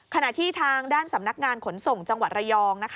ขณะที่ทางด้านสำนักงานขนส่งจังหวัดระยองนะคะ